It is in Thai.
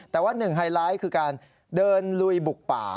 แต่ว่าหนึ่งไฮไลท์คือการเดินลุยบุกป่า